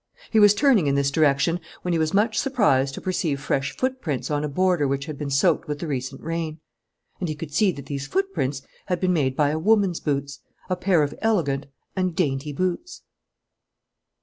He was turning in this direction, when he was much surprised to perceive fresh footprints on a border which had been soaked with the recent rain. And he could see that these footprints had been made by a woman's boots, a pair of elegant and dainty boots.